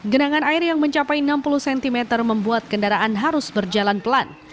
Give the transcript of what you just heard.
genangan air yang mencapai enam puluh cm membuat kendaraan harus berjalan pelan